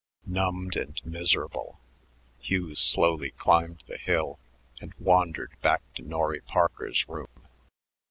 Numbed and miserable, Hugh slowly climbed the hill and wandered back to Norry Parker's room.